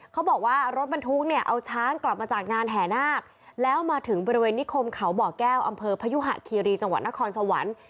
เขาบอกว่ารถบรรทุกเนี่ยเอาช้างกลับมาจากงานแห่นาคแล้วมาถึงบริเวณนิคมเขาบ่อแก้วอำเภอพยุหะคีรีจังหวัดนครสวรรค์